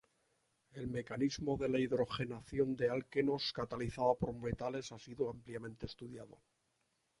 El mecanismo de la hidrogenación de alquenos catalizada por metales ha sido ampliamente estudiado.